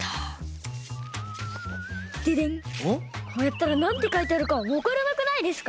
こうやったらなんてかいてあるかわからなくないですか？